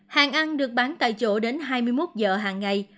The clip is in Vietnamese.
hàng ăn được bán tại chỗ đến hai mươi một giờ hàng ngày